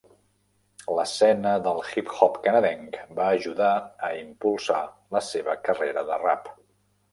L'escena del hip-hop canadenc va ajudar a impulsar la seva carrera de rap.